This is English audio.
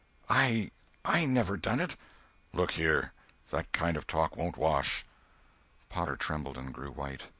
"I! I never done it!" "Look here! That kind of talk won't wash." Potter trembled and grew white.